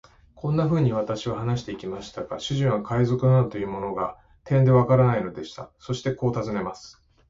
こんなふうに私は話してゆきましたが、主人は海賊などというものが、てんでわからないのでした。そしてこう尋ねます。